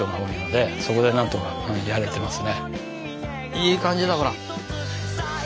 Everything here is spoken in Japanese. いい感じだほら！